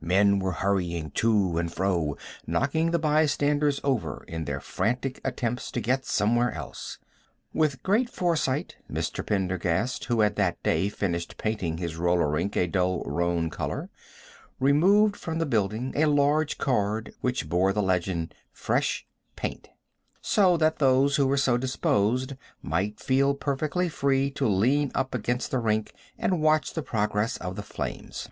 Men were hurrying to and fro, knocking the bystanders over in their frantic attempts to get somewhere else. With great foresight, Mr. Pendergast, who had that day finished painting his roller rink a dull roan color, removed from the building the large card which bore the legend: FRESH PAINT! so that those who were so disposed might feel perfectly free to lean up against the rink and watch the progress of the flames.